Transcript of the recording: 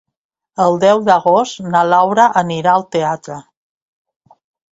El deu d'agost na Laura anirà al teatre.